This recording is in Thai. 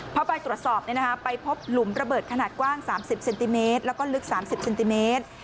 พอไปตรวจสอบไปพบหลุมระเบิดขนาดกว้าง๓๐เซนติเมตรแล้วก็ลึก๓๐เซนติเมตร